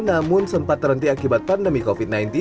namun sempat terhenti akibat pandemi covid sembilan belas